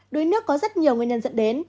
đuối nước có rất nhiều nguyên nhân dẫn đến